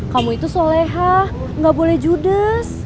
kamu itu soleha gak boleh judes